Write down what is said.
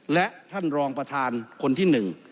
และท่านรองประธานคนที่๑